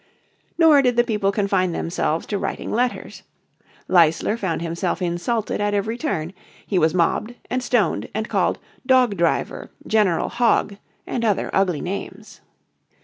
Nor did the people confine themselves to writing letters. Leisler found himself insulted at every turn. He was mobbed, and stoned, and called "Dog Driver," "General Hog" and other ugly names.